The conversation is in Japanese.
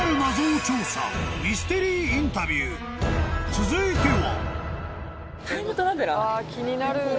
［続いては］